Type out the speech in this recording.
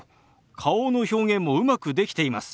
顔の表現もうまくできています。